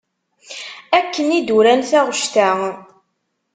Akken i d-uran taɣect-a.